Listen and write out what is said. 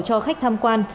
cho khách tham quan